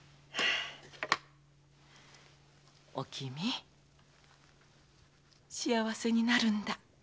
おきみ幸せになるんだ。